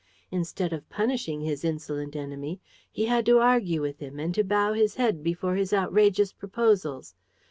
Instead of punishing his insolent enemy, he had to argue with him and to bow his head before his outrageous proposals.